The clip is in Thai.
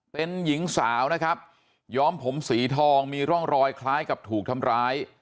เป็นหญิงสาวนะครับย้อมผมสีทองมีร่องรอยคล้ายกับถูกทำร้าย